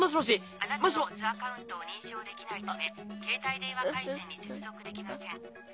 あなたのＯＺアカウントを認証できないため携帯電話回線に接続できません。